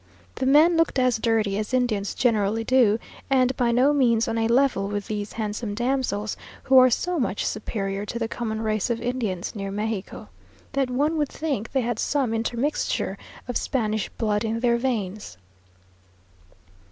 The men looked as dirty as Indians generally do, and by no means on a level with these handsome damsels, who are so much superior to the common race of Indians near Mexico, that one would think they had some intermixture of Spanish blood in their veins.